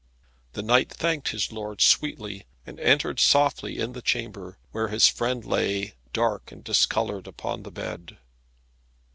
The knight thanked his lord sweetly, and entered softly in the chamber, where his friend lay dark and discoloured upon the bed.